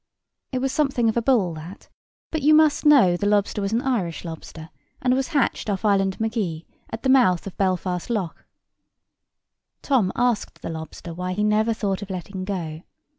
It was something of a bull, that; but you must know the lobster was an Irish lobster, and was hatched off Island Magee at the mouth of Belfast Lough. Tom asked the lobster why he never thought of letting go.